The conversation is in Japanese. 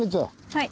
はい。